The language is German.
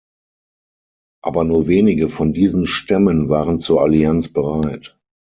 Aber nur wenige von diesen Stämmen waren zur Allianz bereit.